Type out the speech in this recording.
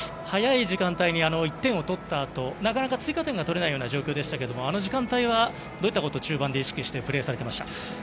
早い時間帯に１点を取ったあとなかなか追加点が取れないような状況でしたがあの時間帯はどういうことを意識してプレーされていましたか？